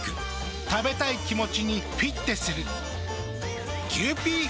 食べたい気持ちにフィッテする。